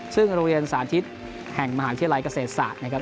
ซึ่งโรงเรียนสาธิตแห่งมหาวิทยาลัยเกษตรศาสตร์นะครับ